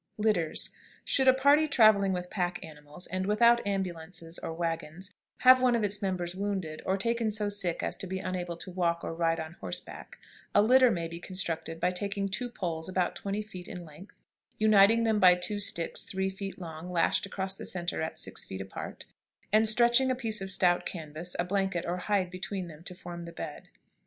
LITTERS. Should a party traveling with pack animals, and without ambulances or wagons, have one of its members wounded or taken so sick as to be unable to walk or ride on horseback, a litter may be constructed by taking two poles about twenty feet in length, uniting them by two sticks three feet long lashed across the centre at six feet apart, and stretching a piece of stout canvas, a blanket, or hide between them to form the bed.